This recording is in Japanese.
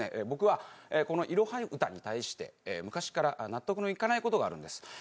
僕はこのいろは歌に対して昔から納得のいかないことがあるんです。